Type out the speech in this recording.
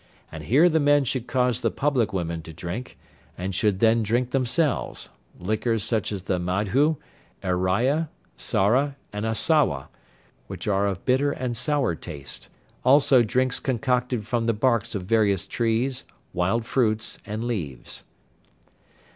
And here the men should cause the public women to drink, and should then drink themselves, liquors such as the Madhu, Aireya, Sara, and Asawa, which are of bitter and sour taste; also drinks concocted from the barks of various trees, wild fruits and leaves.